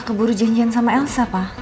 keburu janjian sama elsa pak